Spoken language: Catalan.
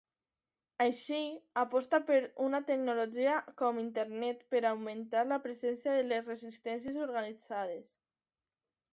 Així, aposta per una tecnologia com Internet per augmentar la presència de les resistències organitzades.